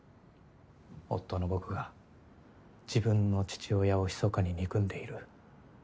夫の僕が自分の父親をひそかに憎んでいる。